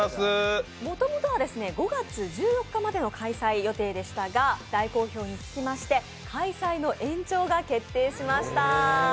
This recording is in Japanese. もともとは５月１４日までの開催でしたが大好評につきまして開催の延長が決定しました。